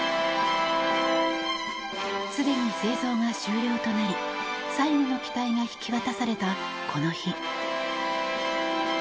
すでに製造が終了となり最後の機体が引き渡されたこの日。